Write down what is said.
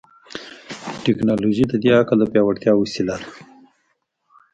ټیکنالوژي د دې عقل د پیاوړتیا وسیله ده.